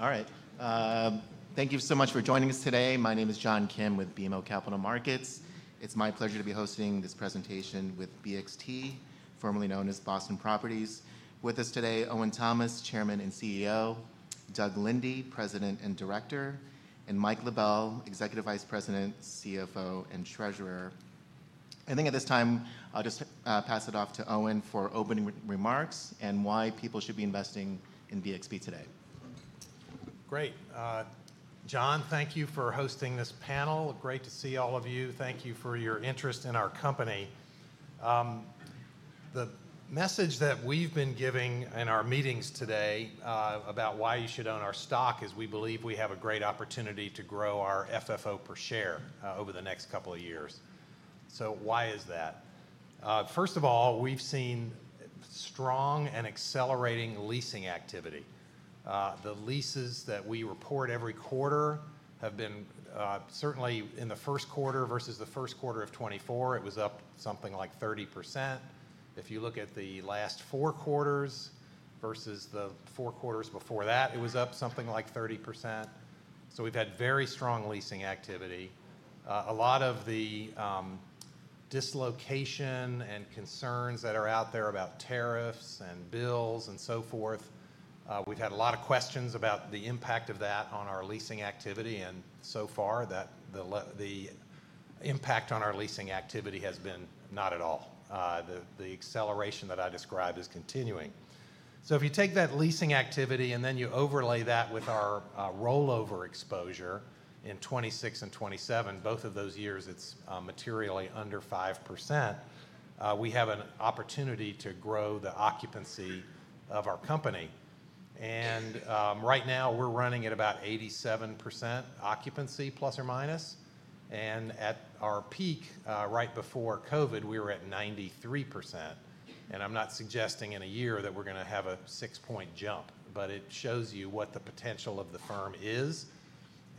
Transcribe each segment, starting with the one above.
All right. Thank you so much for joining us today. My name is John Kim with BMO Capital Markets. It's my pleasure to be hosting this presentation with BXP, formerly known as Boston Properties. With us today, Owen Thomas, Chairman and CEO, Doug Linde, President and Director, and Mike LaBelle, Executive Vice President, CFO, and Treasurer. I think at this time, I'll just pass it off to Owen for opening remarks and why people should be investing in BXP today. Great. John, thank you for hosting this panel. Great to see all of you. Thank you for your interest in our company. The message that we've been giving in our meetings today about why you should own our stock is we believe we have a great opportunity to grow our FFO per share over the next couple of years. Why is that? First of all, we've seen strong and accelerating leasing activity. The leases that we report every quarter have been certainly in the first quarter versus the first quarter of 2024, it was up something like 30%. If you look at the last four quarters versus the four quarters before that, it was up something like 30%. We've had very strong leasing activity. A lot of the dislocation and concerns that are out there about tariffs and bills and so forth, we've had a lot of questions about the impact of that on our leasing activity. So far, the impact on our leasing activity has been not at all. The acceleration that I described is continuing. If you take that leasing activity and then you overlay that with our rollover exposure in 2026 and 2027, both of those years, it's materially under 5%. We have an opportunity to grow the occupancy of our company. Right now, we're running at about 87% occupancy plus or minus. At our peak, right before COVID, we were at 93%. I'm not suggesting in a year that we're going to have a six-point jump, but it shows you what the potential of the firm is.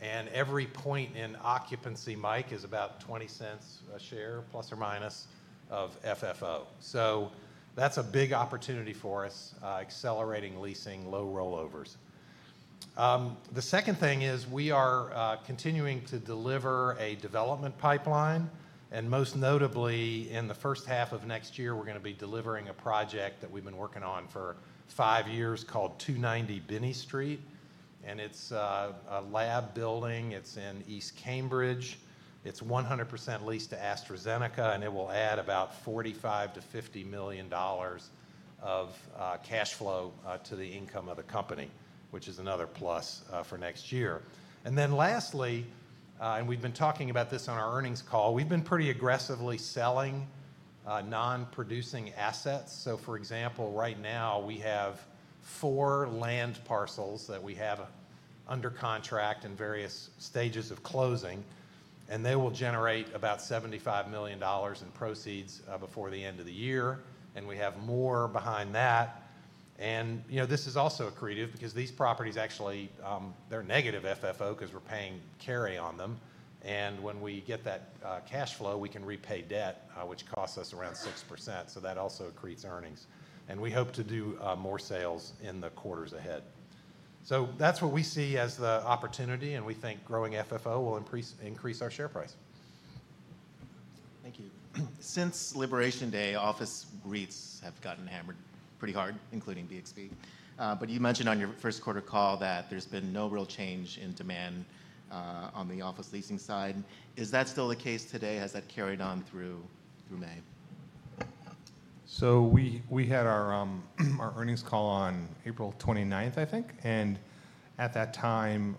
Every point in occupancy, Mike, is about $0.20 a share plus or minus of FFO. That is a big opportunity for us, accelerating leasing, low rollovers. The second thing is we are continuing to deliver a development pipeline. Most notably, in the first half of next year, we are going to be delivering a project that we have been working on for five years called 290 Binney Street. It is a lab building. It is in East Cambridge. It is 100% leased to AstraZeneca, and it will add about $45 million-$50 million of cash flow to the income of the company, which is another plus for next year. Lastly, and we have been talking about this on our earnings call, we have been pretty aggressively selling non-producing assets. For example, right now, we have four land parcels that we have under contract in various stages of closing, and they will generate about $75 million in proceeds before the end of the year. We have more behind that. This is also accretive because these properties, actually, they're negative FFO because we're paying carry on them. When we get that cash flow, we can repay debt, which costs us around 6%. That also accretes earnings. We hope to do more sales in the quarters ahead. That's what we see as the opportunity, and we think growing FFO will increase our share price. Thank you. Since Liberation Day, office rates have gotten hammered pretty hard, including BXP. You mentioned on your first quarter call that there's been no real change in demand on the office leasing side. Is that still the case today? Has that carried on through May? We had our earnings call on April 29th, I think. At that time,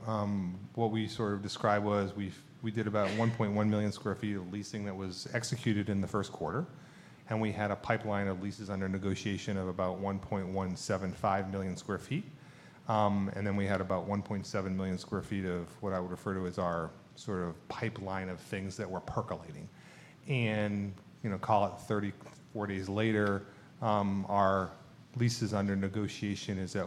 what we sort of described was we did about 1.1 million sq ft of leasing that was executed in the first quarter. We had a pipeline of leases under negotiation of about 1.175 million sq ft. We had about 1.7 million sq ft of what I would refer to as our sort of pipeline of things that were percolating. Call it 30-40 days later, our leases under negotiation is at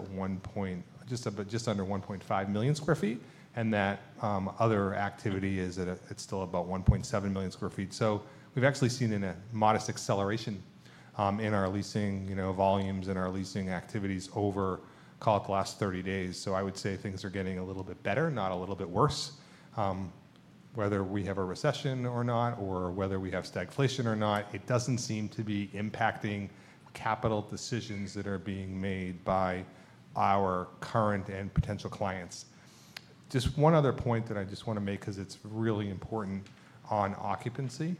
just under 1.5 million sq ft. That other activity is still about 1.7 million sq ft. We have actually seen a modest acceleration in our leasing volumes and our leasing activities over, call it, the last 30 days. I would say things are getting a little bit better, not a little bit worse. Whether we have a recession or not, or whether we have stagflation or not, it does not seem to be impacting capital decisions that are being made by our current and potential clients. Just one other point that I just want to make because it is really important on occupancy.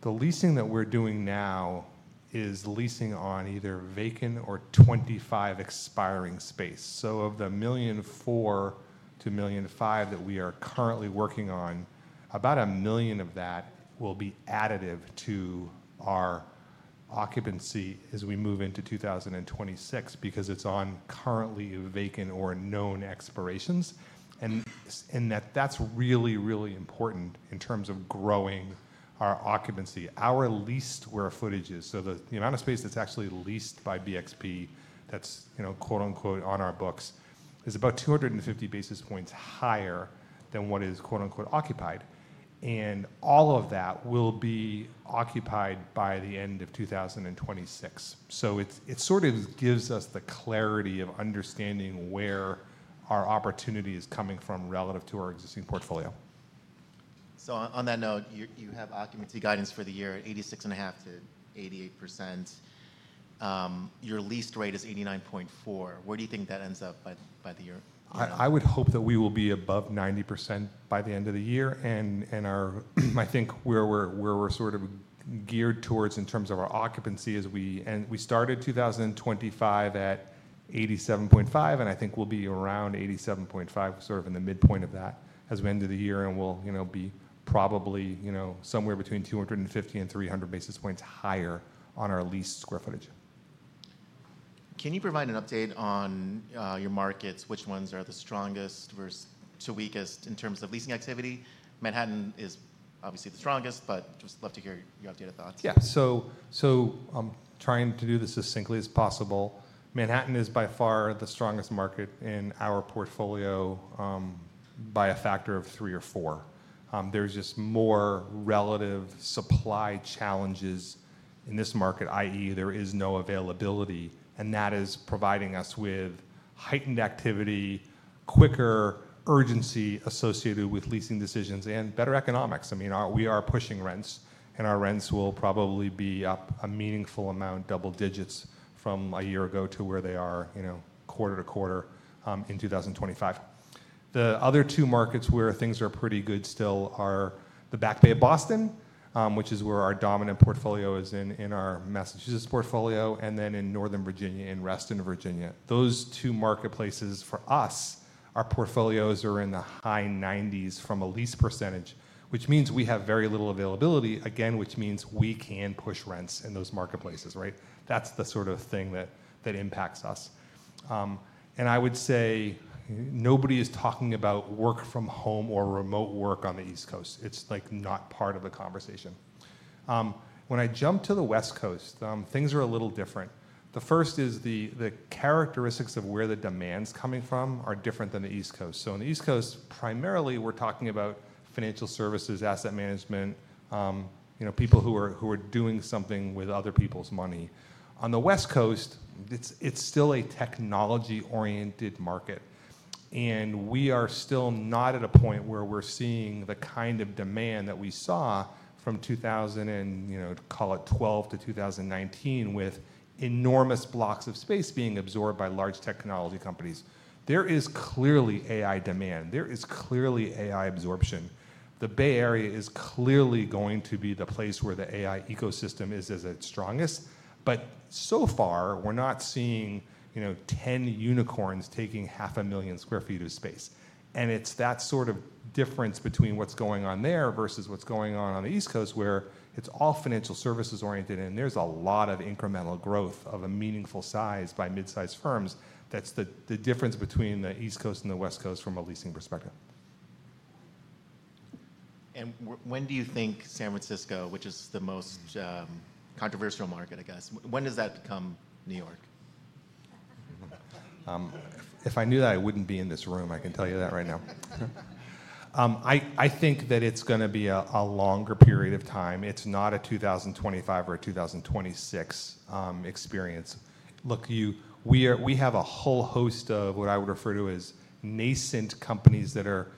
The leasing that we are doing now is leasing on either vacant or 25 expiring space. Of the 1.5 million to 1.5 million five that we are currently working on, about 1 million of that will be additive to our occupancy as we move into 2026 because it is on currently vacant or known expirations. That is really, really important in terms of growing our occupancy. Our leased square footages, so the amount of space that's actually leased by BXP that's "on our books," is about 250 basis points higher than what is "occupied." All of that will be occupied by the end of 2026. It sort of gives us the clarity of understanding where our opportunity is coming from relative to our existing portfolio. On that note, you have occupancy guidance for the year at 86.5%-88%. Your leased rate is 89.4%. Where do you think that ends up by the year? I would hope that we will be above 90% by the end of the year. I think where we're sort of geared towards in terms of our occupancy is we started 2025 at 87.5%, and I think we'll be around 87.5%, sort of in the midpoint of that as we end the year. We'll be probably somewhere between 250-300 basis points higher on our leased square footage. Can you provide an update on your markets? Which ones are the strongest versus the weakest in terms of leasing activity? Manhattan is obviously the strongest, but I'd just love to hear your updated thoughts. Yeah. So I'm trying to do this as succinctly as possible. Manhattan is by far the strongest market in our portfolio by a factor of three or four. There's just more relative supply challenges in this market, i.e., there is no availability. That is providing us with heightened activity, quicker urgency associated with leasing decisions, and better economics. I mean, we are pushing rents, and our rents will probably be up a meaningful amount, double digits from a year ago to where they are quarter to quarter in 2025. The other two markets where things are pretty good still are the Back Bay of Boston, which is where our dominant portfolio is in our Massachusetts portfolio, and then in Northern Virginia and Reston Virginia. Those two marketplaces for us, our portfolios are in the high 90s from a lease percentage, which means we have very little availability, again, which means we can push rents in those marketplaces, right? That is the sort of thing that impacts us. I would say nobody is talking about work from home or remote work on the East Coast. It is like not part of the conversation. When I jump to the West Coast, things are a little different. The first is the characteristics of where the demand is coming from are different than the East Coast. In the East Coast, primarily, we are talking about financial services, asset management, people who are doing something with other people's money. On the West Coast, it is still a technology-oriented market. We are still not at a point where we're seeing the kind of demand that we saw from 2000 and call it 2012 to 2019 with enormous blocks of space being absorbed by large technology companies. There is clearly AI demand. There is clearly AI absorption. The Bay Area is clearly going to be the place where the AI ecosystem is at its strongest. So far, we're not seeing 10 unicorns taking 500,000 sq ft of space. It is that sort of difference between what's going on there versus what's going on on the East Coast, where it is all financial services-oriented, and there is a lot of incremental growth of a meaningful size by mid-sized firms. That is the difference between the East Coast and the West Coast from a leasing perspective. When do you think San Francisco, which is the most controversial market, I guess, when does that become New York? If I knew that, I wouldn't be in this room. I can tell you that right now. I think that it's going to be a longer period of time. It's not a 2025 or a 2026 experience. Look, we have a whole host of what I would refer to as nascent companies that are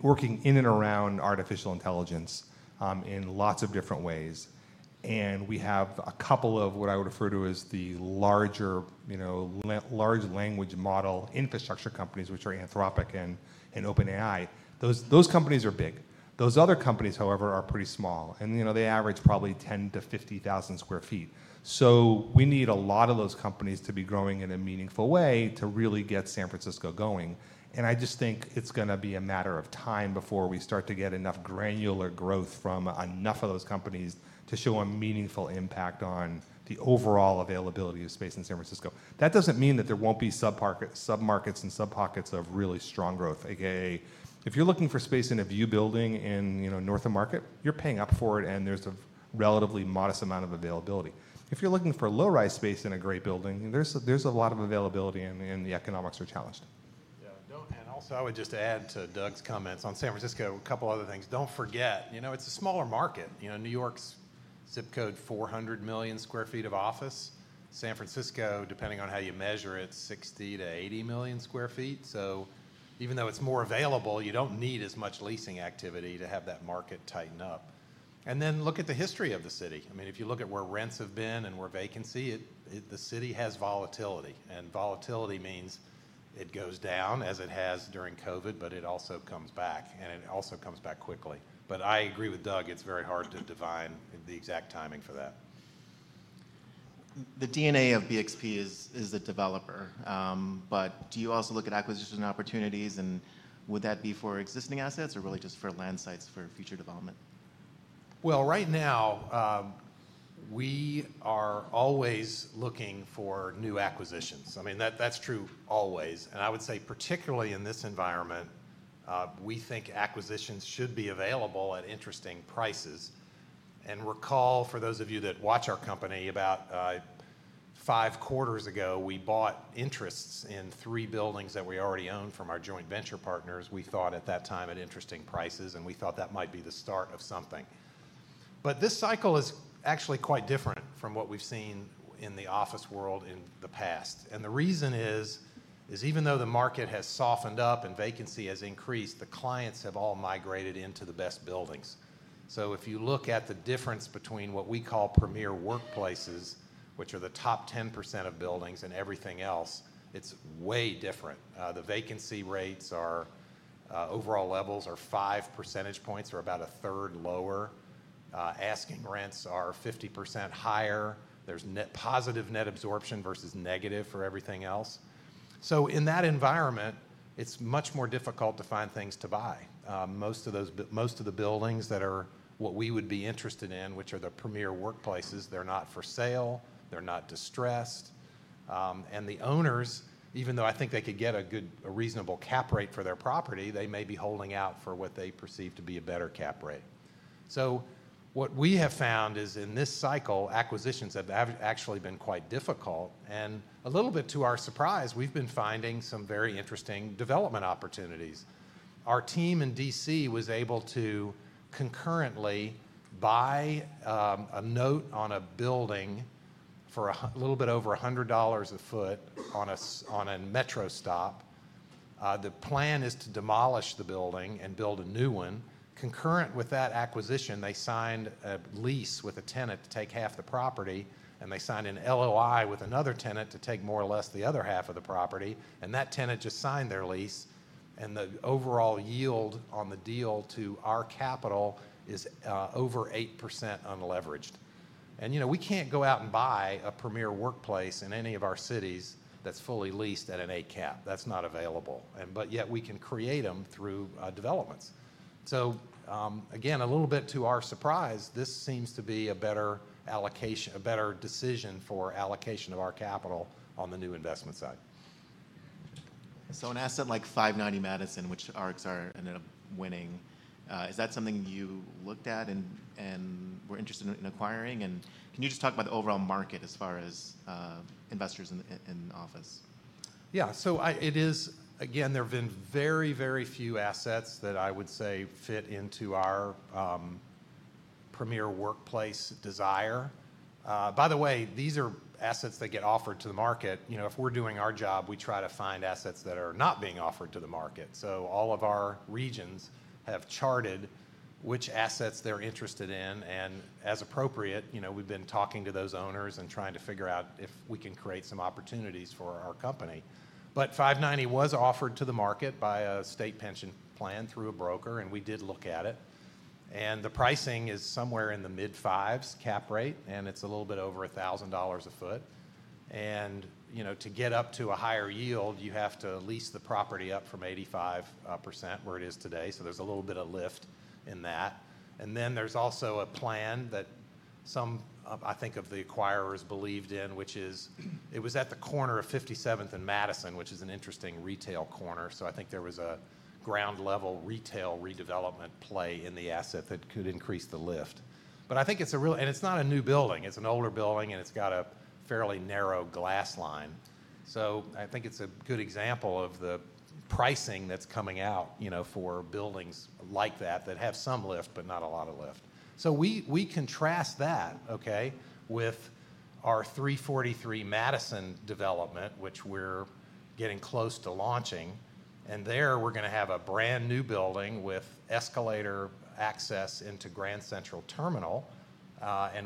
working in and around artificial intelligence in lots of different ways. We have a couple of what I would refer to as the larger large language model infrastructure companies, which are Anthropic and OpenAI. Those companies are big. Those other companies, however, are pretty small. They average probably 10,000-50,000 sq ft. We need a lot of those companies to be growing in a meaningful way to really get San Francisco going. I just think it's going to be a matter of time before we start to get enough granular growth from enough of those companies to show a meaningful impact on the overall availability of space in San Francisco. That does not mean that there will not be submarkets and subpockets of really strong growth. If you're looking for space in a view building in north of market, you're paying up for it, and there's a relatively modest amount of availability. If you're looking for low-rise space in a great building, there's a lot of availability, and the economics are challenged. Yeah. I would just add to Doug's comments on San Francisco, a couple of other things. Do not forget, it is a smaller market. New York's zip code $400 million sq ft of office. San Francisco, depending on how you measure it, 60 million-80 million sq ft. Even though it is more available, you do not need as much leasing activity to have that market tighten up. Look at the history of the city. I mean, if you look at where rents have been and where vacancy, the city has volatility. Volatility means it goes down as it has during COVID, but it also comes back. It also comes back quickly. I agree with Doug, it is very hard to divine the exact timing for that. The DNA of BXP is a developer. Do you also look at acquisition opportunities? Would that be for existing assets or really just for land sites for future development? Right now, we are always looking for new acquisitions. I mean, that's true always. I would say, particularly in this environment, we think acquisitions should be available at interesting prices. Recall, for those of you that watch our company, about five quarters ago, we bought interests in three buildings that we already owned from our joint venture partners. We thought at that time at interesting prices, and we thought that might be the start of something. This cycle is actually quite different from what we've seen in the office world in the past. The reason is, even though the market has softened up and vacancy has increased, the clients have all migrated into the best buildings. If you look at the difference between what we call premier workplaces, which are the top 10% of buildings, and everything else, it's way different. The vacancy rates are overall levels are five percentage points or about a third lower. Asking rents are 50% higher. There's positive net absorption versus negative for everything else. In that environment, it's much more difficult to find things to buy. Most of the buildings that are what we would be interested in, which are the premier workplaces, they're not for sale. They're not distressed. The owners, even though I think they could get a reasonable cap rate for their property, they may be holding out for what they perceive to be a better cap rate. What we have found is in this cycle, acquisitions have actually been quite difficult. A little bit to our surprise, we've been finding some very interesting development opportunities. Our team in DC was able to concurrently buy a note on a building for a little bit over $100 a foot on a metro stop. The plan is to demolish the building and build a new one. Concurrent with that acquisition, they signed a lease with a tenant to take half the property. They signed an LOI with another tenant to take more or less the other half of the property. That tenant just signed their lease. The overall yield on the deal to our capital is over 8% unleveraged. We cannot go out and buy a premier workplace in any of our cities that is fully leased at an 8 cap. That is not available. Yet, we can create them through developments. Again, a little bit to our surprise, this seems to be a better decision for allocation of our capital on the new investment side. An asset like 590 Madison, which you are winning, is that something you looked at and were interested in acquiring? Can you just talk about the overall market as far as investors in the office? Yeah. So it is, again, there have been very, very few assets that I would say fit into our premier workplace desire. By the way, these are assets that get offered to the market. If we're doing our job, we try to find assets that are not being offered to the market. All of our regions have charted which assets they're interested in. As appropriate, we've been talking to those owners and trying to figure out if we can create some opportunities for our company. 590 was offered to the market by a state pension plan through a broker, and we did look at it. The pricing is somewhere in the mid-5s cap rate, and it's a little bit over $1,000 a foot. To get up to a higher yield, you have to lease the property up from 85% where it is today. There is a little bit of lift in that. There is also a plan that some, I think, of the acquirers believed in, which is it was at the corner of 57th and Madison, which is an interesting retail corner. I think there was a ground-level retail redevelopment play in the asset that could increase the lift. I think it is a real, and it is not a new building. It is an older building, and it has a fairly narrow glass line. I think it is a good example of the pricing that is coming out for buildings like that that have some lift, but not a lot of lift. We contrast that, okay, with our 343 Madison development, which we are getting close to launching. There, we are going to have a brand new building with escalator access into Grand Central Terminal.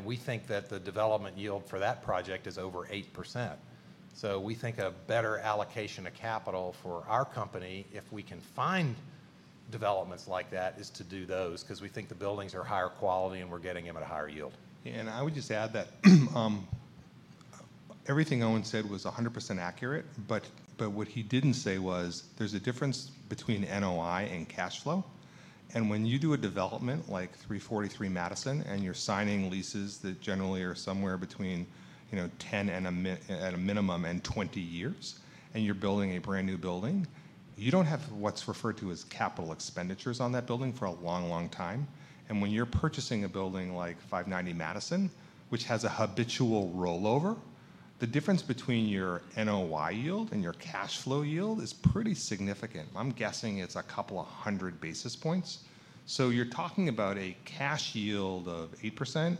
We think that the development yield for that project is over 8%. We think a better allocation of capital for our company, if we can find developments like that, is to do those because we think the buildings are higher quality and we're getting them at a higher yield. I would just add that everything Owen said was 100% accurate. What he did not say was there is a difference between NOI and cash flow. When you do a development like 343 Madison and you are signing leases that generally are somewhere between 10 at a minimum and 20 years, and you are building a brand new building, you do not have what is referred to as capital expenditures on that building for a long, long time. When you are purchasing a building like 590 Madison, which has a habitual rollover, the difference between your NOI yield and your cash flow yield is pretty significant. I am guessing it is a couple of hundred basis points. You are talking about a cash yield of 8%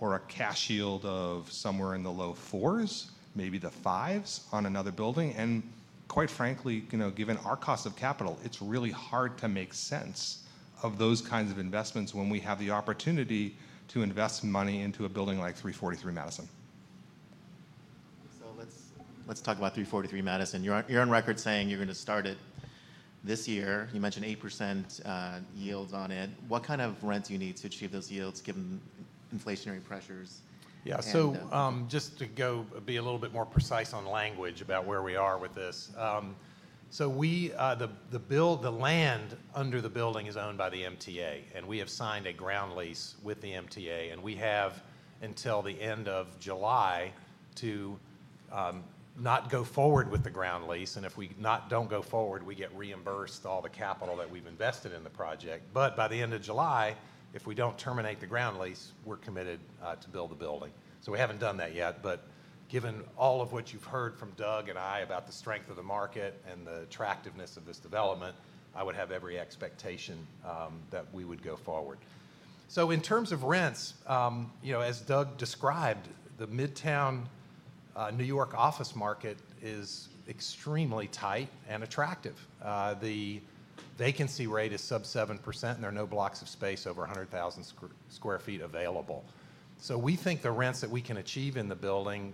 or a cash yield of somewhere in the low fours, maybe the fives on another building. Quite frankly, given our cost of capital, it's really hard to make sense of those kinds of investments when we have the opportunity to invest money into a building like 343 Madison. Let's talk about 343 Madison. You're on record saying you're going to start it this year. You mentioned 8% yields on it. What kind of rents do you need to achieve those yields given inflationary pressures? Yeah. So just to be a little bit more precise on language about where we are with this. The land under the building is owned by the MTA. We have signed a ground lease with the MTA. We have until the end of July to not go forward with the ground lease. If we do not go forward, we get reimbursed all the capital that we have invested in the project. By the end of July, if we do not terminate the ground lease, we are committed to build the building. We have not done that yet. Given all of what you have heard from Doug and I about the strength of the market and the attractiveness of this development, I would have every expectation that we would go forward. In terms of rents, as Doug described, the Midtown New York office market is extremely tight and attractive. The vacancy rate is sub 7%, and there are no blocks of space over 100,000 sq ft available. We think the rents that we can achieve in the building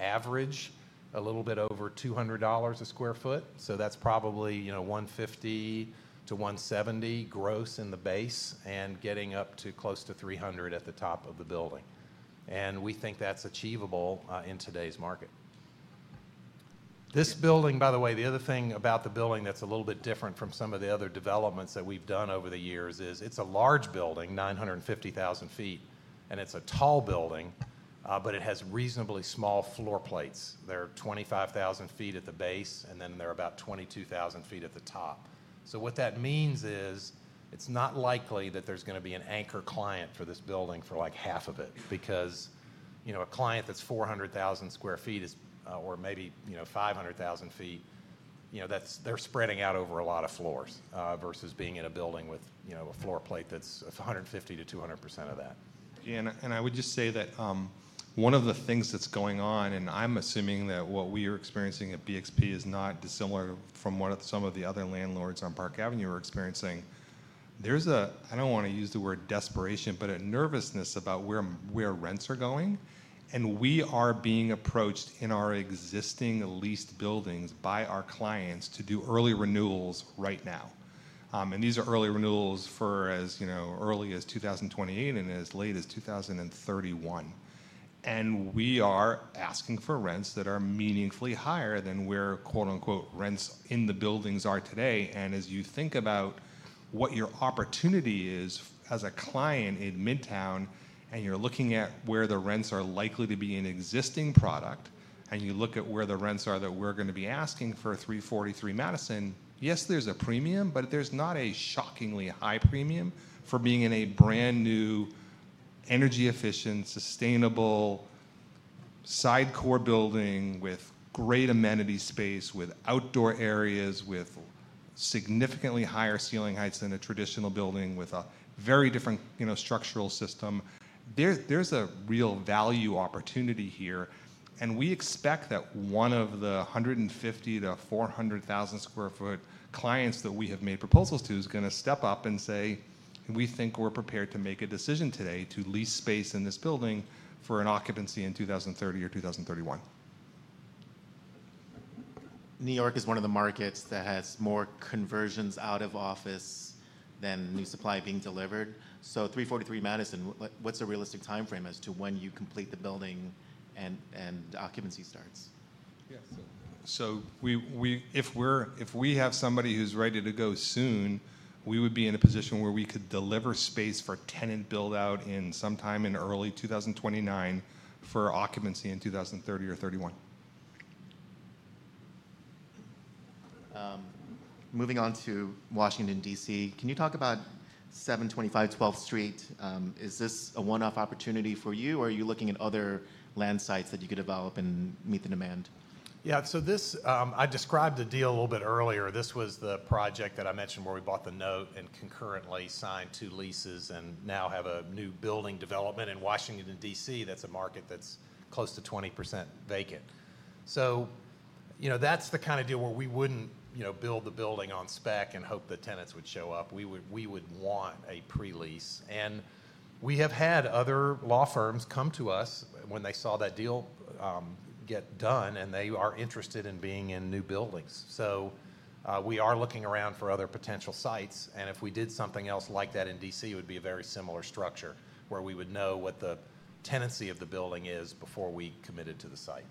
average a little bit over $200 a sq ft. That is probably $150-$170 gross in the base and getting up to close to $300 at the top of the building. We think that is achievable in today's market. This building, by the way, the other thing about the building that is a little bit different from some of the other developments that we have done over the years is it is a large building, 950,000 sq ft. It is a tall building, but it has reasonably small floor plates. There are 25,000 sq ft at the base, and then there are about 22,000 sq ft at the top. What that means is it's not likely that there's going to be an anchor client for this building for like half of it because a client that's 400,000 sq ft or maybe 500,000 sq ft, they're spreading out over a lot of floors versus being in a building with a floor plate that's 150-200% of that. I would just say that one of the things that's going on, and I'm assuming that what we are experiencing at BXP is not dissimilar from what some of the other landlords on Park Avenue are experiencing. There's a, I don't want to use the word desperation, but a nervousness about where rents are going. We are being approached in our existing leased buildings by our clients to do early renewals right now. These are early renewals for as early as 2028 and as late as 2031. We are asking for rents that are meaningfully higher than where rents in the buildings are today. As you think about what your opportunity is as a client in Midtown, and you are looking at where the rents are likely to be in existing product, and you look at where the rents are that we are going to be asking for 343 Madison, yes, there is a premium, but there is not a shockingly high premium for being in a brand new energy-efficient, sustainable side core building with great amenity space, with outdoor areas, with significantly higher ceiling heights than a traditional building with a very different structural system. There is a real value opportunity here. We expect that one of the 150,000-400,000 sq ft clients that we have made proposals to is going to step up and say, "We think we're prepared to make a decision today to lease space in this building for an occupancy in 2030 or 2031. New York is one of the markets that has more conversions out of office than new supply being delivered. 343 Madison, what's a realistic timeframe as to when you complete the building and occupancy starts? Yeah. If we have somebody who's ready to go soon, we would be in a position where we could deliver space for tenant build-out sometime in early 2029 for occupancy in 2030 or 2031. Moving on to Washington, DC, can you talk about 725 12th Street? Is this a one-off opportunity for you, or are you looking at other land sites that you could develop and meet the demand? Yeah. So I described the deal a little bit earlier. This was the project that I mentioned where we bought the note and concurrently signed two leases and now have a new building development in Washington, DC that's a market that's close to 20% vacant. That is the kind of deal where we would not build the building on spec and hope that tenants would show up. We would want a pre-lease. We have had other law firms come to us when they saw that deal get done, and they are interested in being in new buildings. We are looking around for other potential sites. If we did something else like that in DC, it would be a very similar structure where we would know what the tenancy of the building is before we committed to the site.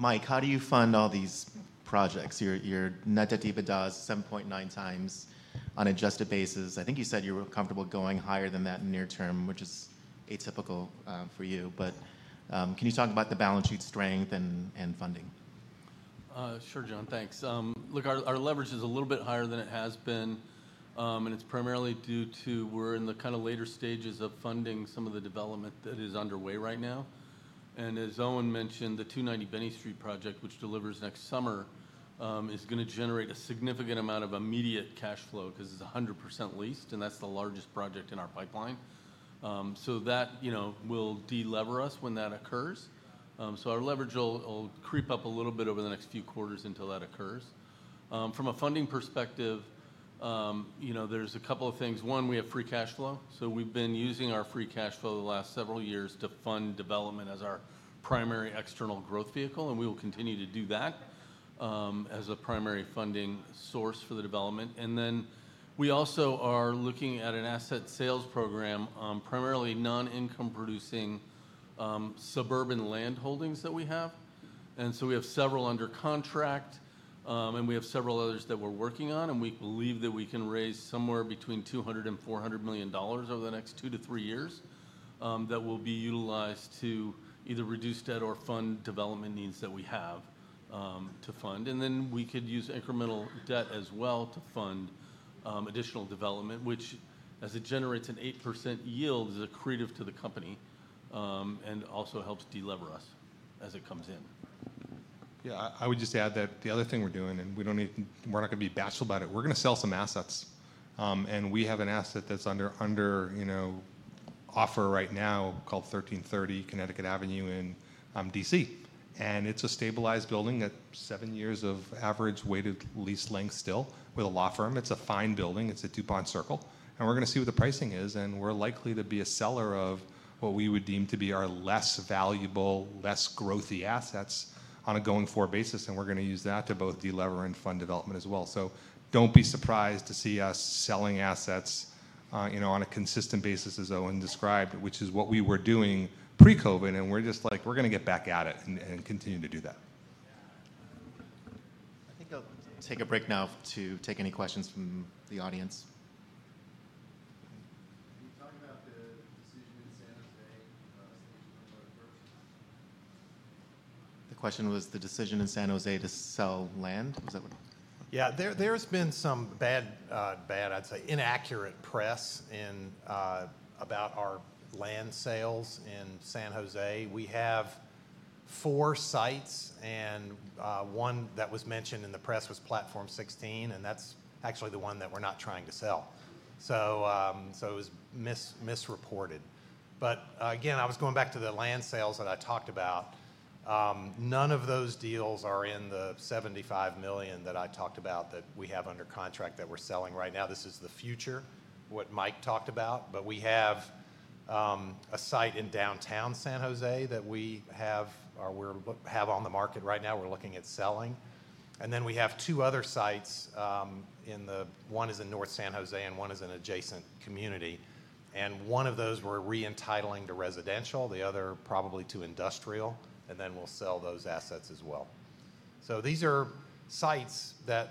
Mike, how do you fund all these projects? Your net debt to EBITDA is 7.9 times on an adjusted basis. I think you said you were comfortable going higher than that in the near term, which is atypical for you. Can you talk about the balance sheet strength and funding? Sure, John. Thanks. Look, our leverage is a little bit higher than it has been. It is primarily due to we're in the kind of later stages of funding some of the development that is underway right now. As Owen mentioned, the 290 Binney Street project, which delivers next summer, is going to generate a significant amount of immediate cash flow because it is 100% leased. That is the largest project in our pipeline. That will delever us when that occurs. Our leverage will creep up a little bit over the next few quarters until that occurs. From a funding perspective, there are a couple of things. One, we have free cash flow. We have been using our free cash flow the last several years to fund development as our primary external growth vehicle. We will continue to do that as a primary funding source for the development. We also are looking at an asset sales program, primarily non-income producing suburban land holdings that we have. We have several under contract. We have several others that we're working on. We believe that we can raise somewhere between $200 million and $400 million over the next two to three years that will be utilized to either reduce debt or fund development needs that we have to fund. We could use incremental debt as well to fund additional development, which, as it generates an 8% yield, is accretive to the company and also helps delever us as it comes in. I would just add that the other thing we're doing, and we're not going to be bashful about it, we're going to sell some assets. We have an asset that's under offer right now called 1330 Connecticut Avenue in DC. It is a stabilized building at seven years of average weighted lease length still with a law firm. It is a fine building. It is in Dupont Circle. We are going to see what the pricing is. We are likely to be a seller of what we would deem to be our less valuable, less growthy assets on a going-forward basis. We are going to use that to both delever and fund development as well. Do not be surprised to see us selling assets on a consistent basis, as Owen described, which is what we were doing pre-COVID. We are just like, we are going to get back at it and continue to do that. I think I'll take a break now to take any questions from the audience. Can you talk about the decision in San Jose to sell land? The question was the decision in San Jose to sell land? Was that what? Yeah. There has been some bad, I'd say inaccurate press about our land sales in San Jose. We have four sites. One that was mentioned in the press was Platform 16. That's actually the one that we're not trying to sell. It was misreported. I was going back to the land sales that I talked about. None of those deals are in the $75 million that I talked about that we have under contract that we're selling right now. This is the future, what Mike talked about. We have a site in downtown San Jose that we have on the market right now. We're looking at selling. We have two other sites. One is in North San Jose, and one is in an adjacent community. One of those we're re-entitling to residential. The other probably to industrial. We will sell those assets as well. These are sites that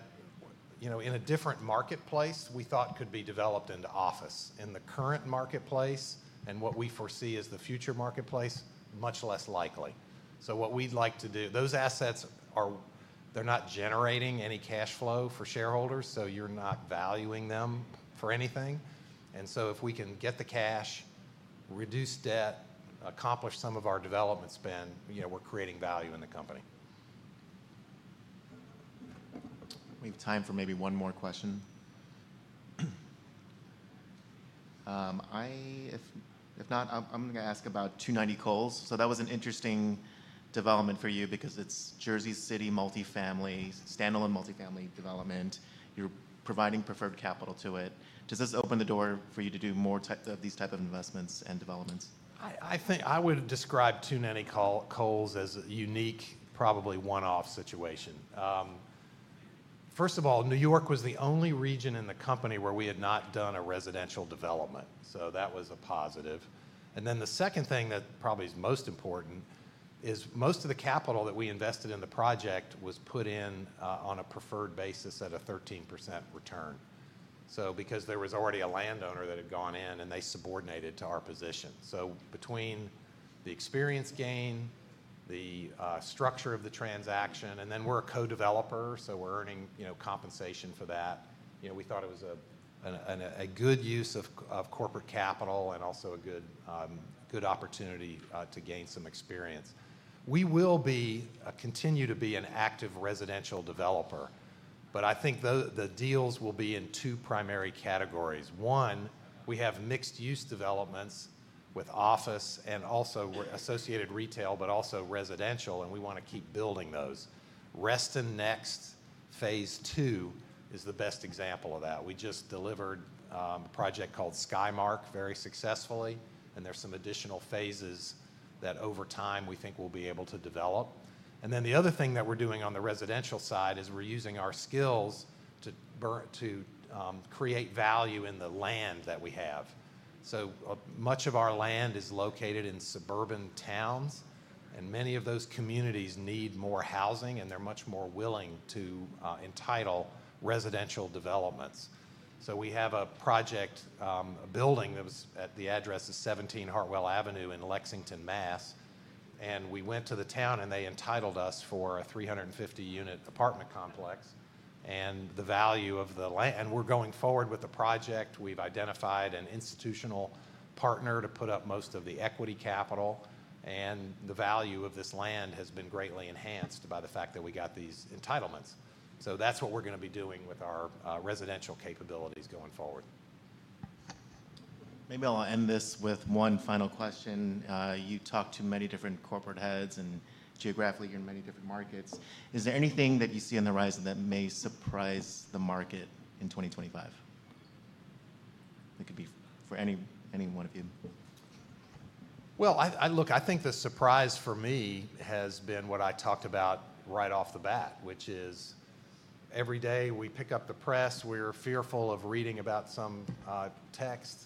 in a different marketplace we thought could be developed into office. In the current marketplace and what we foresee as the future marketplace, much less likely. What we would like to do, those assets, they are not generating any cash flow for shareholders. You are not valuing them for anything. If we can get the cash, reduce debt, accomplish some of our development spend, we are creating value in the company. We have time for maybe one more question. If not, I'm going to ask about 290 Coles. That was an interesting development for you because it's Jersey City multifamily, standalone multifamily development. You're providing preferred capital to it. Does this open the door for you to do more of these types of investments and developments? I think I would describe 290 Coles as a unique, probably one-off situation. First of all, New York was the only region in the company where we had not done a residential development. That was a positive. The second thing that probably is most important is most of the capital that we invested in the project was put in on a preferred basis at a 13% return. There was already a landowner that had gone in, and they subordinated to our position. Between the experience gain, the structure of the transaction, and then we are a co-developer, so we are earning compensation for that, we thought it was a good use of corporate capital and also a good opportunity to gain some experience. We will continue to be an active residential developer. I think the deals will be in two primary categories. One, we have mixed-use developments with office and also associated retail, but also residential. We want to keep building those. Reston Next, phase two, is the best example of that. We just delivered a project called Skymark very successfully. There are some additional phases that over time we think we'll be able to develop. The other thing that we're doing on the residential side is we're using our skills to create value in the land that we have. So much of our land is located in suburban towns. Many of those communities need more housing. They're much more willing to entitle residential developments. We have a project, a building that was at the address of 17 Hartwell Avenue in Lexington, Mass. We went to the town, and they entitled us for a 350-unit apartment complex. The value of the land, and we're going forward with the project. We've identified an institutional partner to put up most of the equity capital. The value of this land has been greatly enhanced by the fact that we got these entitlements. That's what we're going to be doing with our residential capabilities going forward. Maybe I'll end this with one final question. You talked to many different corporate heads, and geographically you're in many different markets. Is there anything that you see on the horizon that may surprise the market in 2025? It could be for any one of you. I think the surprise for me has been what I talked about right off the bat, which is every day we pick up the press, we're fearful of reading about some text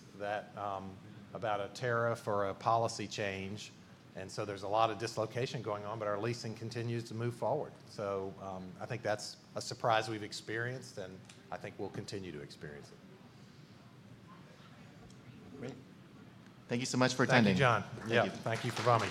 about a tariff or a policy change. There is a lot of dislocation going on, but our leasing continues to move forward. I think that's a surprise we've experienced, and I think we'll continue to experience it. Great. Thank you so much for attending. Thank you, John. Thank you for coming.